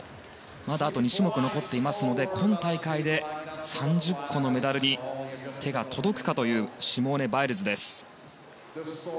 まだ、あと２種目あるので今大会で３０個のメダルに手が届くかというシモーネ・バイルズ。